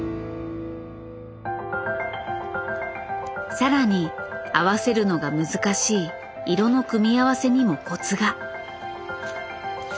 さらに合わせるのが難しい色の組み合わせにもコツが。